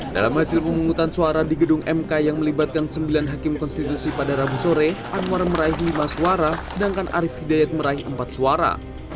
dalam hasil pemungutan suara di gedung mk yang melibatkan sembilan hakim konstitusi pada rabu sore anwar meraih lima suara sedangkan arief hidayat meraih empat suara